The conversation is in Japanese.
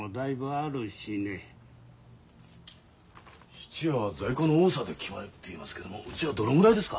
質屋は在庫の多さで決まるっていいますけどうちはどのぐらいですか？